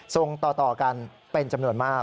ส่งต่อกันเป็นจำนวนมาก